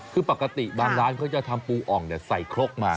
คือปกติบางร้านเขาจะทำปูอ่องใส่ครกมา